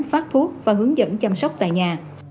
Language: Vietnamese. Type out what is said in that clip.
phát thuốc và hướng dẫn chăm sóc tại nhà